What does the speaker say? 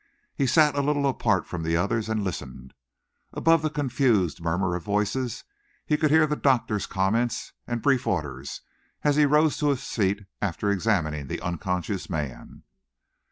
He sat a little apart from the others and listened. Above the confused murmur of voices he could hear the doctor's comment and brief orders, as he rose to his feet after examining the unconscious man.